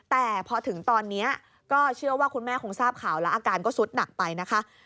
แต่พอถึงตอนนี้ก็เชื่อว่าคุณแม่คงทราบข่าวแล้วอาการก็สุดหนักไปนะคะ